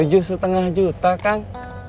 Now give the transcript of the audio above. tujuh lima juta kang